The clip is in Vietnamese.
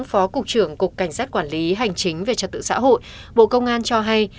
phó cục trưởng cục cảnh sát quản lý hành chính về trật tự xã hội bộ công an cho hay